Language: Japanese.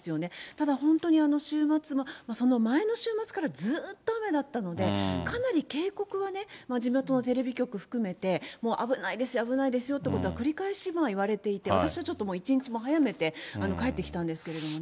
ただ、本当に週末も、その前の週末からずっと雨だったので、かなり警告はね、地元のテレビ局含めて、もう危ないですよ、危ないですよということは繰り返しいわれていて、私もちょっと１日早めて帰ってきたんですけれどもね。